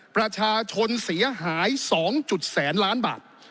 ประชาชนเสียหาย๒แสนล้านบาท